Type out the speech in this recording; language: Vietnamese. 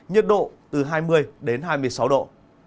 nhiệt độ từ hai mươi hai mươi sáu độ